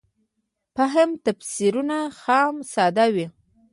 فهم تفسیرونه خام ساده وو.